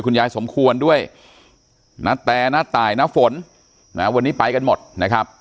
ยายสมควรด้วยณแตน้าตายณฝนนะวันนี้ไปกันหมดนะครับ